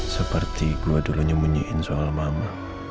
seperti gua dulu nyemunyiin soal mama